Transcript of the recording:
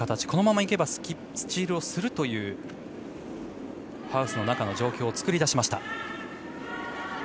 このままいけばスチールするハウスの中の状況を作り出しました。